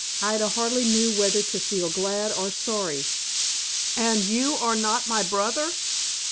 Ida hardly knew whether to feel glad or sorry. "And you are not my brother?"